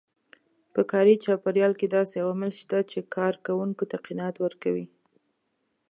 په کاري چاپېريال کې داسې عوامل شته چې کار کوونکو ته قناعت ورکوي.